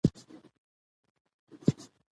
اداري اصول د خدمت د کیفیت لوړونه غواړي.